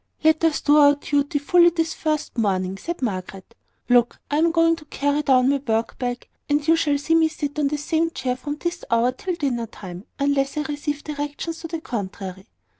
"Let us do our duty fully this first morning," said Margaret. "Look, I am going to carry down my work bag; and you shall see me sit on the same chair from this hour till dinner time, unless I receive directions to the contrary."